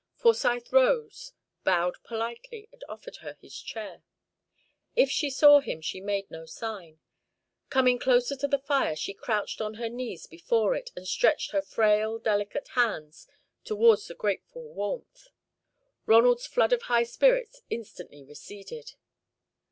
Forsyth rose, bowed politely, and offered her his chair. If she saw him, she made no sign. Coming closer to the fire she crouched on her knees before it and stretched her frail, delicate hands toward the grateful warmth. Ronald's flood of high spirits instantly receded.